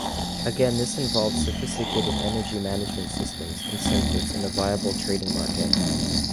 Again this involves sophisticated energy management systems, incentives, and a viable trading market.